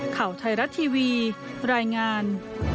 ข่าวไทยรัฐทีวีรายงาน